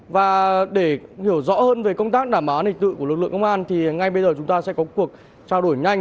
và để hiểu rõ hơn về công tác đảm bảo an ninh tự của lực lượng công an thì ngay bây giờ chúng ta sẽ có cuộc trao đổi nhanh